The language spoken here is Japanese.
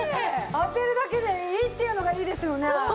当てるだけでいいっていうのがいいですよね。